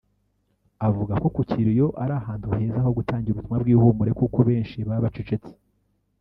Avuga ko ku kiriyo ari ahantu heza ho gutangira ubutumwa bw’ihumure kuko benshi baba bacecetse